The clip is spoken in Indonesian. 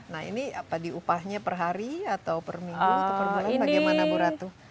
nah ini apa diupahnya perhari atau perminggu atau perbulan bagaimana bu ratu